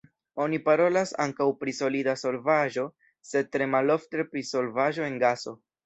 Oni parolas ankaŭ pri solida solvaĵo, sed tre malofte pri solvaĵo en gaso.